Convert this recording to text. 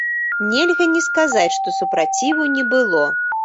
Нельга не сказаць, што супраціву не было.